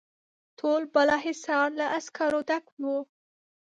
ټول بالاحصار له عسکرو ډک وو.